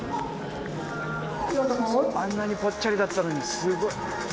あんなにポッチャリだったのにすごい！